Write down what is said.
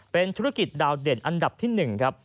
เป็นธุรกิจดาวเด่นอันดับที่๑ครับ